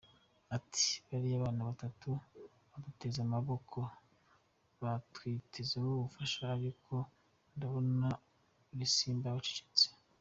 Ati « bariya bana batatu baduteze amaboko batwizeyemo ubufasha ariko ndabona muri Simba baracecetse.